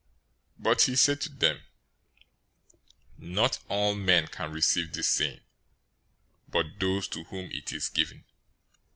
019:011 But he said to them, "Not all men can receive this saying, but those to whom it is given.